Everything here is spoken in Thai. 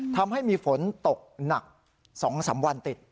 ทำให้มีฝนตกหนัก๒๓วันติด